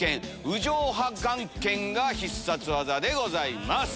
有情破顔拳が必殺技でございます。